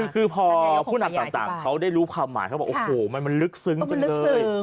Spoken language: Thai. คือพอผู้นำต่างเขาได้รู้ความหมายเขาบอกโอ้โหมันลึกซึ้งจังเลย